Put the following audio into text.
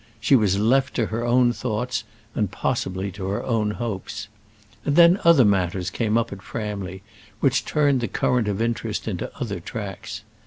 She was left to her own thoughts, and possibly to her own hopes. And then other matters came up at Framley which turned the current of interest into other tracks.